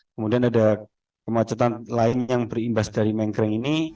kemudian ada kemacetan lain yang berimbas dari mengkring ini